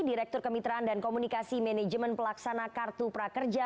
direktur kemitraan dan komunikasi manajemen pelaksana kartu prakerja